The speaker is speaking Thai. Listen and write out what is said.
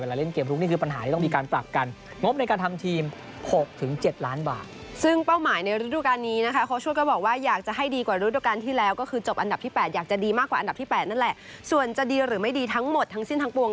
เวลาเล่นเกมทุกที่คือปัญหาที่ต้องมีการปรับกัน